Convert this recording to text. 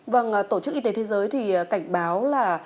vâng tổ chức y tế thế giới thì cảnh báo là